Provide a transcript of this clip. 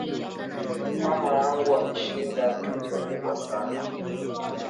Mama yangu ameshinda tuzo kubwa sana